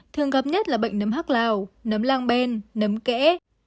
thường gặp nhất là bệnh nấm hóc lào nấm lang ben nấm kẽ